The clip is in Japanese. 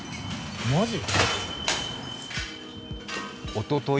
おととい